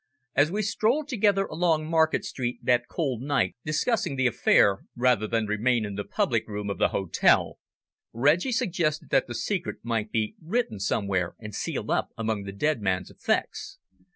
As we strolled together along Market Street that cold night discussing the affair, rather than remain in the public room of the hotel, Reggie suggested that the secret might be written somewhere and sealed up among the dead man's effects.